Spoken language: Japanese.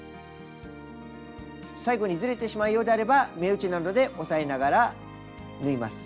最後にずれてしまうようであれば目打ちなどで押さえながら縫います。